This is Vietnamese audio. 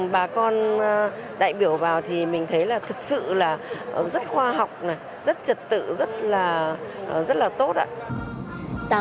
bà con đại biểu vào thì mình thấy là thực sự là rất khoa học rất trật tự rất là tốt ạ